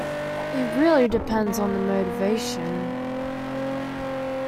It really depends on the motivation...